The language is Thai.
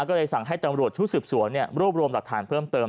ก็เลยสั่งให้ตำรวจชุดสืบสวนรวบรวมหลักฐานเพิ่มเติม